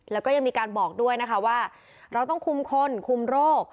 แล้วก็ยังมีการบอกด้วยนะคะว่าเราต้องคุมคนคุมโรค